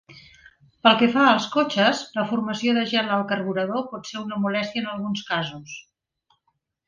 Pel que fa als cotxes, la formació del gel al carburador pot ser una molèstia en alguns casos.